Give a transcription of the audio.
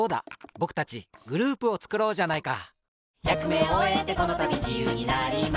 ぼくたちグループをつくろうじゃないか！